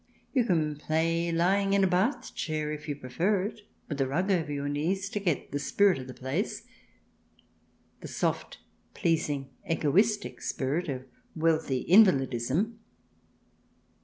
You can play lying in a bath chair, if you prefer it, with a rug over your knees to get the spirit of the place, the soft, pleasing, egoistic spirit of wealthy in validism.